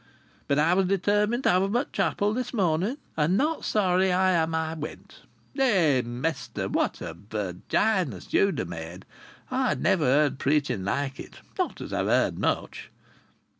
But I was determined to have 'em at chapel this morning. And not sorry I am I went! Eh, mester, what a Virginius you'd ha' made! I never heard preaching like it not as I've heard much!"